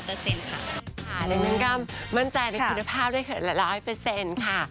ค่ะดังนั้นก็มั่นใจในคุณภาพได้แค่๑๐๐ค่ะ